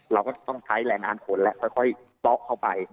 เราก็ต้องใช้แหล่งอ่านผลและค่อยซ็อกเข้าไป